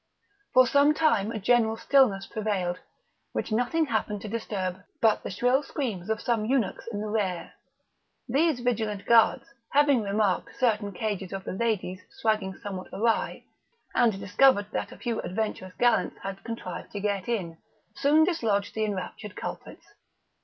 For some time a general stillness prevailed, which nothing happened to disturb but the shrill screams of some eunuchs in the rear; these vigilant guards, having remarked certain cages of the ladies swagging somewhat awry, and discovered that a few adventurous gallants had contrived to get in, soon dislodged the enraptured culprits.